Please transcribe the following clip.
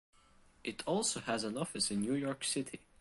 It also has an office in New York City.